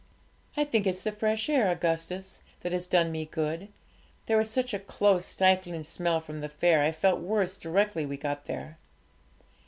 'I think it's the fresh air, Augustus, that has done me good; there was such a close, stifling smell from the fair, I felt worse directly we got there.'